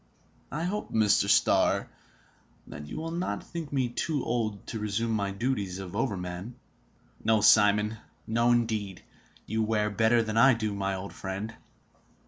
I hope, Mr. Starr, that you will not think me too old to resume my duties of overman?" "No, Simon, no indeed! You wear better than I do, my old friend!"